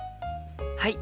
はい！